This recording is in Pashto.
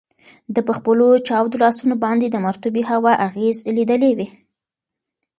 ده په خپلو چاودو لاسونو باندې د مرطوبې هوا اغیز لیدلی و.